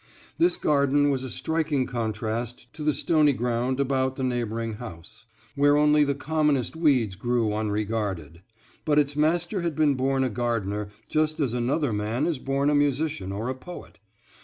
This garden was a striking contrast to the stony ground about the neighboring house, where only the commonest weeds grew unregarded; but its master had been born a gardener, just as another man is born a musician or a poet.